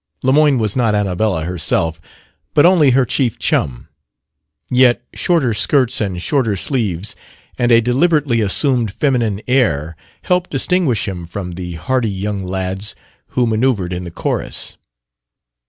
Lemoyne was not "Annabella" herself, but only her chief chum; yet shorter skirts and shorter sleeves and a deliberately assumed feminine air helped distinguish him from the hearty young lads who manoeuvred in the chorus.